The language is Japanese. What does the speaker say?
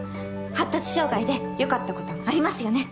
発達障害でよかったことありますよね？